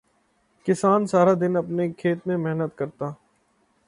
کسان سارا دن اپنے کھیت میں محنت کرتا